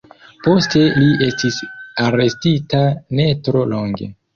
Poste li estis arestita ne tro longe.